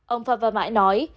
ông phạm văn mãi nói